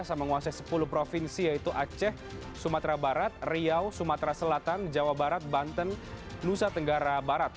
yang menguasai sepuluh provinsi yaitu aceh sumatera barat riau sumatera selatan jawa barat banten nusa tenggara barat